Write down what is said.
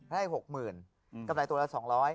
ได้๖๐๐๐๐กว่าประมาณตัวละ๒๐๐